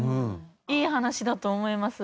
いい話だと思います。